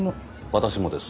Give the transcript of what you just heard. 私もです。